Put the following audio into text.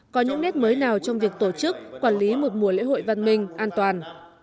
có những nét mới nào trong việc tổ chức quản lý một mùa lễ hội văn minh an toàn